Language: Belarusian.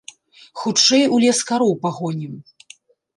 Хутчэй у лес кароў пагонім!